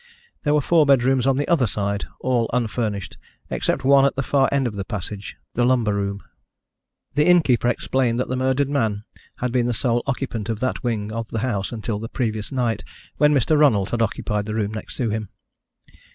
There were four bedrooms on the other side, all unfurnished, except one at the far end of the passage, the lumber room. The innkeeper explained that the murdered man had been the sole occupant of that wing of the house until the previous night, when Mr. Ronald had occupied the room next to him.